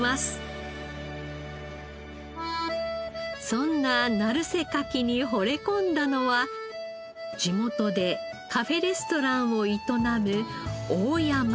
そんな鳴瀬かきにほれ込んだのは地元でカフェレストランを営む。